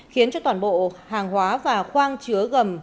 khiến cho toàn bộ hàng hóa và khoang chứa gầm